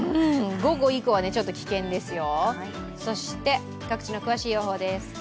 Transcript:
午後以降はちょっと危険ですよ。